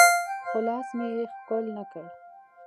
خو لاس مې يې ښکل نه کړ.